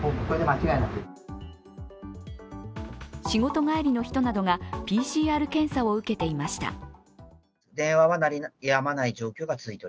仕事帰りの人などがＰＣＲ検査を受けていました。